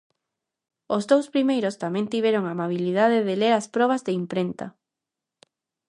Os dous primeiros tamén tiveron a amabilidade de ler as probas de imprenta.